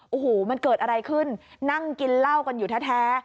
โอ้โหมันเกิดอะไรขึ้นนั่งกินเหล้ากันอยู่แท้